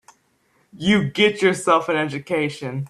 You get yourself an education.